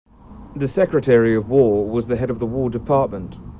The Secretary of War was the head of the War Department.